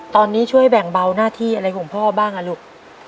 ตอนนี้ช่วยแบ่งเบาหน้าที่อะไรของพ่อบ้างอ่ะลูก